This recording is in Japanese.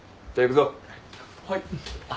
はい。